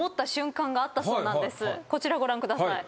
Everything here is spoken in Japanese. こちらご覧ください。